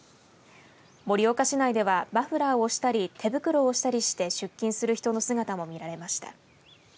盛岡市内ではマフラーをしたり手袋をしたりして出勤したりする人の姿も見られました。